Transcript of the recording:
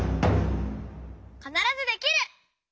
「かならずできる！」。